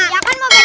ya kan mau benerin